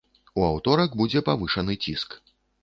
У аўторак будзе павышаны ціск.